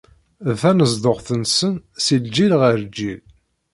D tanezduɣt-nsen si lǧil ɣer lǧil.